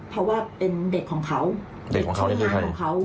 เพราะว่าเป็นเด็กของเขาเด็กของเขานี่คือใครของเขา